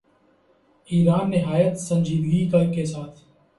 ایران نہایت سنجیدگی کے ساتھ